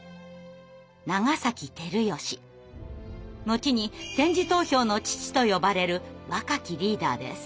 後に「点字投票の父」と呼ばれる若きリーダーです。